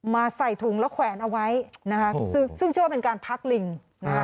ใส่ถุงแล้วแขวนเอาไว้นะคะซึ่งเชื่อว่าเป็นการพักลิงนะฮะ